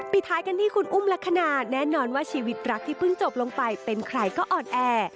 ปิดท้ายกันที่คุณอุ้มลักษณะแน่นอนว่าชีวิตรักที่เพิ่งจบลงไปเป็นใครก็อ่อนแอ